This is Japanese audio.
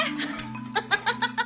ハハハハハ！